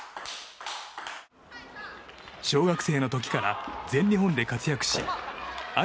小学生の時から全日本で活躍し愛